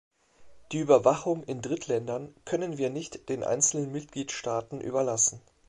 Die Überwachung in Drittländern können wir nicht den einzelnen Mitgliedstaaten überlassen.